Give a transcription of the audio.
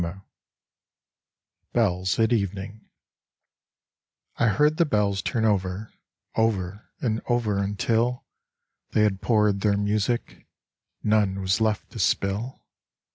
85 BELLS AT EVENING I heard the bells turn over, Over and over until They had poured their music : None was left to spill.